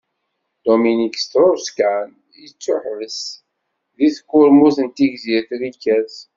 Dominique Strauss-Kahn yettuḥebbes di tkurmut n tegzirt Rikers.